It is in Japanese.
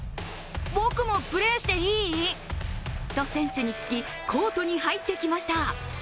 僕もプレーしていい？と選手に聞きコートに入ってきました。